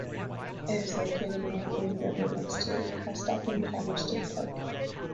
It is located along the Green River next to the Kanaskat-Palmer State Park.